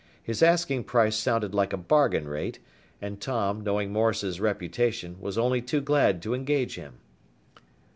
His asking price sounded like a bargain rate, and Tom, knowing Morris's reputation, was only too glad to engage him.